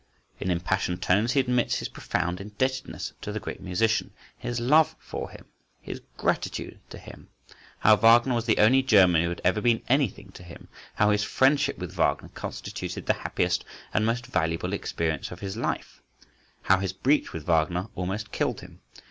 —In impassioned tones he admits his profound indebtedness to the great musician, his love for him, his gratitude to him,—how Wagner was the only German who had ever been anything to him—how his friendship with Wagner constituted the happiest and most valuable experience of his life,—how his breach with Wagner almost killed him.